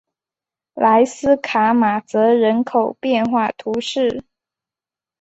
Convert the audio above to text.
莱斯卡马泽人口变化图示